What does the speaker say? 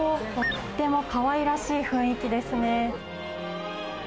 とってもかわいらしい雰囲気ですね。